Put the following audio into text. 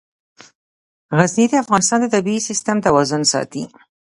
غزني د افغانستان د طبعي سیسټم توازن ساتي.